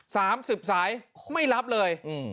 สามสิบสายไม่รับเลยอืม